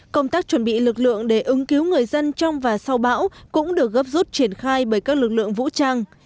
công tác chuẩn bị lực lượng để ứng cứu người dân trong và sau bão cũng được gấp rút triển khai bởi các lực lượng vũ trang